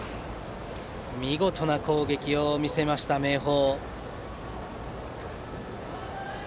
見事な攻撃を見せました明豊。